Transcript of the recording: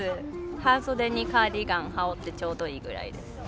半袖にカーディガン羽織ってちょうどいいぐらいです。